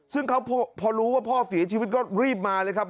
ซึ่งเขาพอรู้ว่าพ่อเสียชีวิตก็รีบมาเลยครับ